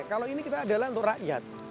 kalau ini kita adalah untuk rakyat